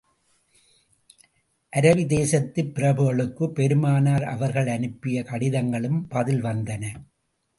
அரபி தேசத்துப் பிரபுகளுக்குப் பெருமானார் அவர்கள் அனுப்பிய கடிதங்களுக்கும் பதில் வந்தன.